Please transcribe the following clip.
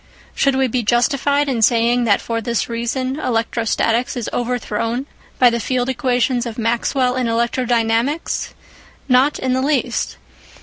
Should we be justified in saying that for this reason electrostatics is overthrown by the field equations of Maxwell in electrodynamics ? Not in the least.